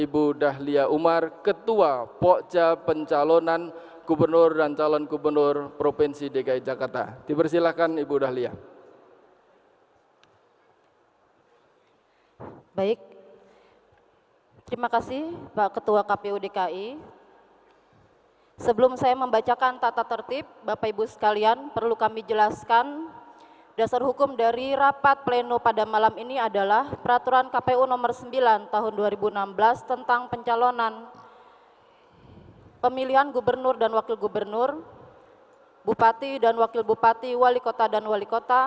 bapak ibu gubernur dan wakil gubernur bupati dan wakil bupati wali kota dan wali kota